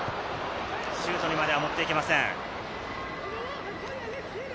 シュートにまでは持っていけません。